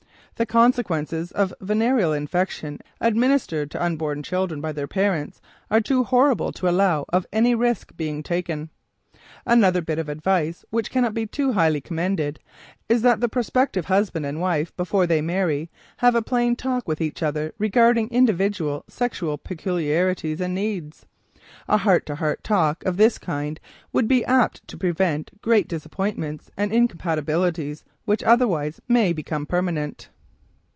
The consequences of venereal infection administered to unborn children by their parents are too horrible to allow of any risk being taken. Another bit of advice, which cannot be too highly commended, is that the prospective husband and wife, before they marry, have a plain talk with each other regarding individual sexual peculiarities and needs. A heart to heart talk of this kind would be apt to prevent great disappointments and incompatibilities which otherwise may become permanent.